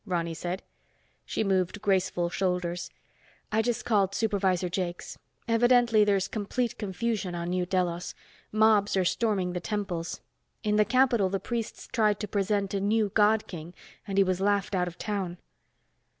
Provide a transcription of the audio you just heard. Ronny said. She moved graceful shoulders. "I just called Supervisor Jakes. Evidently there's complete confusion on New Delos. Mobs are storming the temples. In the capital the priests tried to present a new God King and he was laughed out of town."